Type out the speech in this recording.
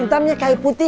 intamnya kayu putih